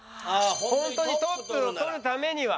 ホントにトップを取るためには。